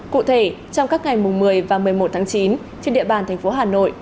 cụ thể trong các ngày một mươi và một mươi một tháng chín trên địa bàn thành phố hà nội